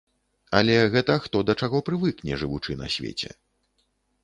Але гэта хто да чаго прывыкне, жывучы на свеце.